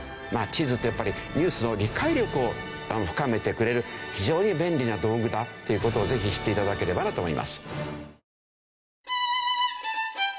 地図ってやっぱりニュースの理解力を深めてくれる非常に便利な道具だっていう事をぜひ知って頂ければなと思います。